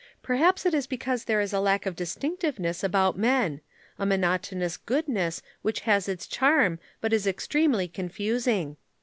Perhaps it is because there is a lack of distinctiveness about men a monotonous goodness which has its charm but is extremely confusing.